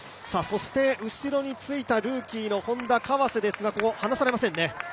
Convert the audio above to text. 後ろについたルーキーのＨｏｎｄａ・川瀬ですが、離されませんね。